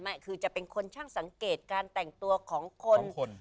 ไม่คือจะเป็นคนช่างสังเกตการแต่งตัวของคน